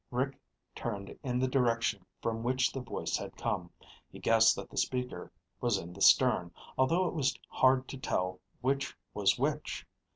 Rick turned in the direction from which the voice had come. He guessed that the speaker was in the stern, although it was hard to tell which was which.